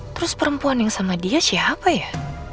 terus perempuan yang sama dia siapa ya